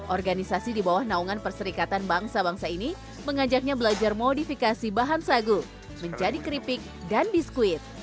organisasi di bawah naungan perserikatan bangsa bangsa ini mengajaknya belajar modifikasi bahan sagu menjadi keripik dan biskuit